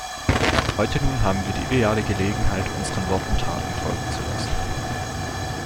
Heute nun haben wird die ideale Gelegenheit, unseren Worten Taten folgen zu lassen.